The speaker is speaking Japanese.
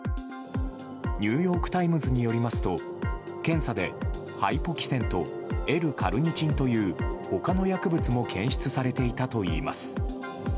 ニューヨーク・タイムズによりますと検査でハイポキセンとＬ‐カルニチンという他の薬物も検出されていたといいます。